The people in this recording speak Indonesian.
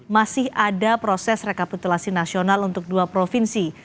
masih ada proses rekapitulasi nasional untuk dua provinsi